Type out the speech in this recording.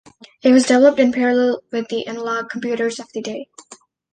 It was developed in parallel with the analog computers of the day.